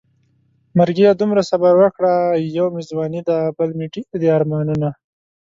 مرګيه دومره صبر وکړه يو مې ځواني ده بل مې ډېر دي ارمانونه